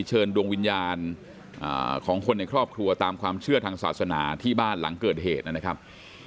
เชิญดวงวิญญาณของคนในครอบครัวตามความเชื่อทางศาสนาที่บ้านหลังเกิดเหตุนะครับ